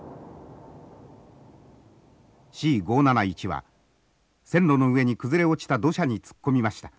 Ｃ５７１は線路の上に崩れ落ちた土砂に突っ込みました。